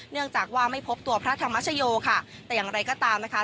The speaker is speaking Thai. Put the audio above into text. เนื่องจากว่าไม่พบตัวพระธรรมชโยค่ะแต่อย่างไรก็ตามนะคะ